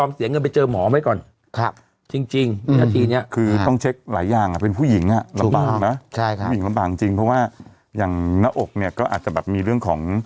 ผู้หญิงลำบากจริงเพราะว่าอย่างหน้าอกเนี่ยก็อาจจะแบบมีเรื่องของ